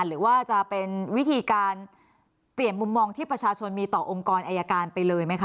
หรือว่าจะเป็นวิธีการเปลี่ยนมุมมองที่ประชาชนมีต่อองค์กรอายการไปเลยไหมคะ